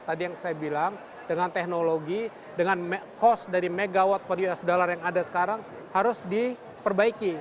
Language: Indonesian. tadi yang saya bilang dengan teknologi dengan cost dari megawatt per usd yang ada sekarang harus diperbaiki